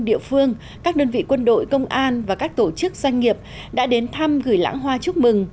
địa phương các đơn vị quân đội công an và các tổ chức doanh nghiệp đã đến thăm gửi lãng hoa chúc mừng